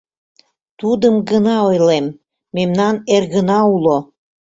Тудым гына ойлем: мемнан эргына уло...